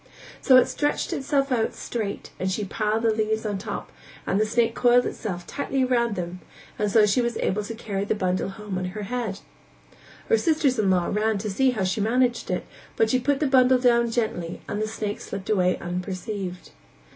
So it stretched itself out straight and she piled the leaves on the top of it and the snake coiled itself tightly round them and so she was able to carry the bundle home on her head. Her sisters in law ran to see how she managed it, but she put the bundle down gently and the snake slipped away unperceived.